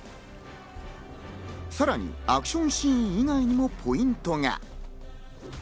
さらにアクションシーン以外にもポイントが。